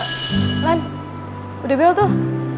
ulan udah bel tuh